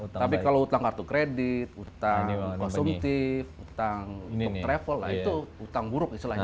tapi kalau hutang kartu kredit hutang konsumtif hutang untuk travel itu hutang buruk istilahnya